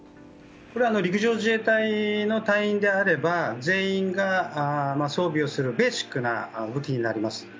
陸上自衛隊の隊員であれば全員が装備をするベーシックな武器になります。